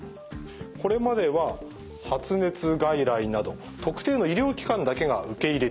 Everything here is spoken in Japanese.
これまでは発熱外来など特定の医療機関だけが受け入れてきました。